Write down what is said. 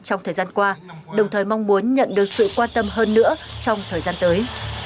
trong thời gian qua đồng thời mong muốn nhận được sự quan tâm hơn nữa trong thời gian tới